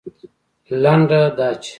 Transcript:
لنډه دا چې